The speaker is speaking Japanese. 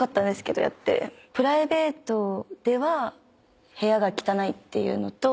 プライベートでは部屋が汚いっていうのと。